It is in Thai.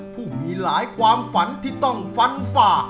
ผู้มีหลายความฝันที่ต้องฟันฝ่า